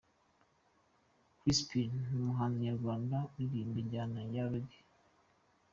Chrispin ni umuhanzi nyarwanda uririmba injyana ya Reggae.